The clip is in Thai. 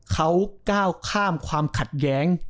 เขาก้าวข้ามความขัดแย้ง